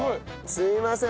すいません。